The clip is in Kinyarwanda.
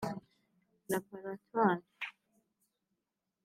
laboratoire